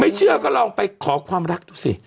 เชื่อก็ลองไปขอความรักดูสิ